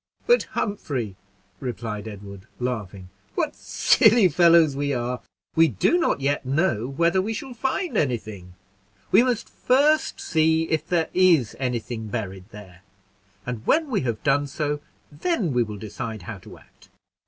"But, Humphrey," replied Edward, laughing, "what silly fellows we are! we do not yet know whether we shall find any thing; we must first see if there is any thing buried there; and when we have done so, then we will decide how to act.